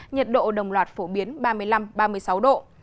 nhiệt độ đồng loạt phổ biến ba mươi năm ba mươi sáu độ